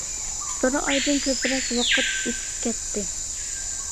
بىر ئايدىن كۆپرەك ۋاقىت ئۆتۈپ كەتتى.